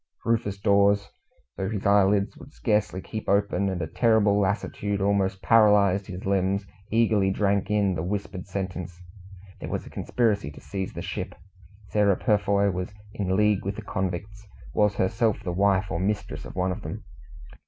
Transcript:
Rufus Dawes, though his eyelids would scarcely keep open, and a terrible lassitude almost paralysed his limbs, eagerly drank in the whispered sentence. There was a conspiracy to seize the ship. Sarah Purfoy was in league with the convicts was herself the wife or mistress of one of them.